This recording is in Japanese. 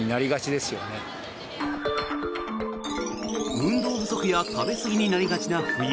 運動不足や食べすぎになりがちな冬。